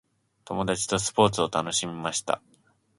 友達とスポーツを楽しみました。